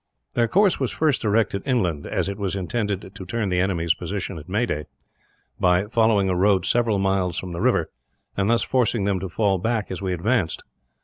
Their course was first directed inland; as it was intended to turn the enemy's position at Meaday, by following a road several miles from the river, and thus forcing them to fall back as we advanced.